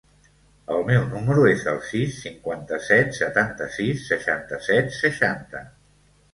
El meu número es el sis, cinquanta-set, setanta-sis, seixanta-set, seixanta.